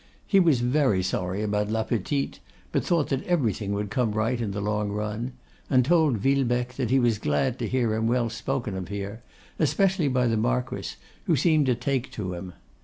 He was very sorry about 'La Petite;' but thought that everything would come right in the long run; and told Villebecque that he was glad to hear him well spoken of here, especially by the Marquess, who seemed to take to him.